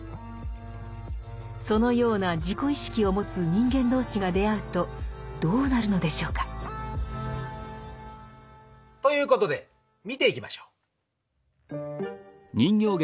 そのような自己意識を持つ人間同士が出会うとどうなるのでしょうか？ということで見ていきましょう。